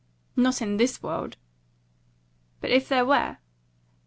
"Not in THIS world." "But if there were?"